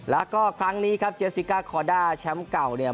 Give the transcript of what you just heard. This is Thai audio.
แล้วก็ครั้งนี้ครับเจสซิกาคอด้าแชมป์เก่าเนี่ย